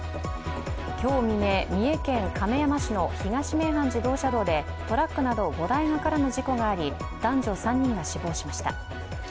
今日未明、三重県亀山市の東名阪自動車道でトラックなど５台が絡む事故があり男女３人が死亡しました。